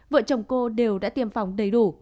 vợ chồng cô đều đã tiêm phòng đầy đủ